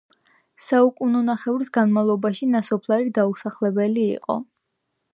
საუკუნენახევრის განმავლობაში ნასოფლარი დაუსახლებელი იყო.